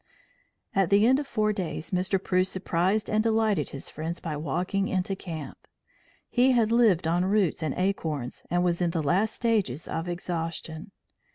At the end of four days, Mr. Preuss surprised and delighted his friends by walking into camp. He had lived on roots and acorns and was in the last stages of exhaustion.